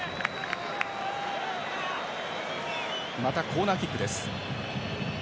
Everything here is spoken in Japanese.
コーナーキックです。